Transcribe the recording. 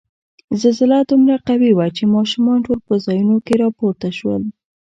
زلزله دومره قوي وه چې ماشومان ټول په ځایونو کې را پورته شول.